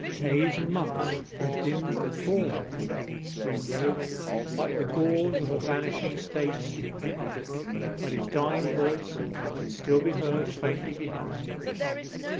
Days and months had dimmed the form of Edward Springrove like the gauzes of a vanishing stage scene, but his dying voice could still be heard faintly behind.